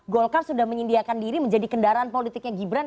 golkar sudah menyediakan diri menjadi kendaraan politiknya gibran